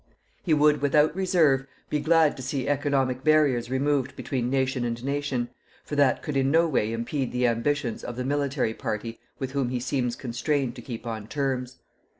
He would, without reserve, be glad to see economic barriers removed between nation and nation, for that could in no way impede the ambitions of the military party with whom he seems constrained to keep on terms.